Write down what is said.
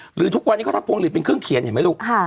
ทุกวันนี้เขาทำพวงหลีดเป็นเครื่องเขียนเห็นไหมลูก